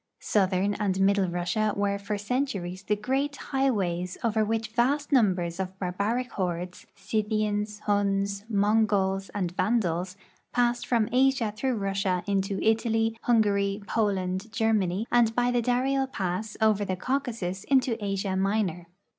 Southern and middle Russia were for centuries the great high ways over which vast numbers of barbaric hordes — Scythians, Huns, Mongols, and Vandals — passed from Asia through Russia into Italy, Hungaiy, Poland, Germany, and by the Dari el pass over the Caucasus into Asia Minor.